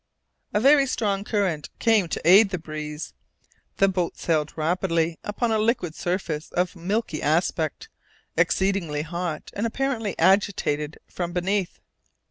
A very strong current came to the aid of the breeze. The boat sailed rapidly upon a liquid surface of milky aspect, exceedingly hot, and apparently agitated from beneath.